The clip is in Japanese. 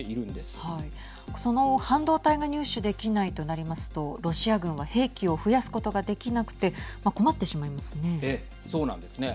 その半導体が入手できないとなりますとロシア軍は兵器を増やすことができなくて困ってしまいますね。